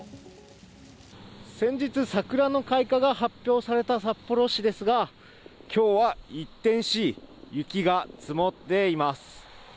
先日、桜の開花が発表された札幌市ですが、きょうは一転し、雪が積もっています。